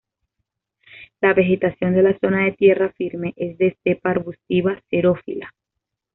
La vegetación de la zona de tierra firme es de estepa arbustiva xerófila.